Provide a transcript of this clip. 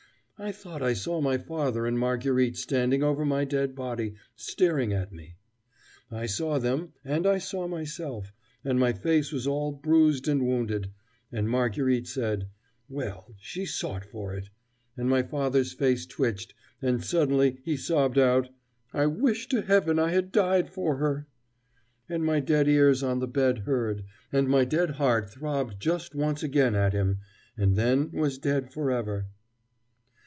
I thought I saw my father and Marguerite standing over my dead body, staring at me. I saw them, and I saw myself, and my face was all bruised and wounded; and Marguerite said: "Well, she sought for it," and my father's face twitched, and suddenly he sobbed out: "I wish to Heaven I had died for her!" and my dead ears on the bed heard, and my dead heart throbbed just once again at him, and then was dead for ever.